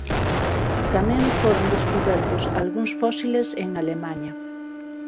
Tamén foron descubertos algúns fósiles en Alemaña.